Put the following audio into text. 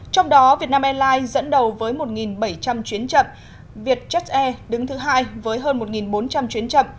trong đó vietnam airlines dẫn đầu với một bảy trăm linh chuyến chậm vietjet air đứng thứ hai với hơn một bốn trăm linh chuyến chậm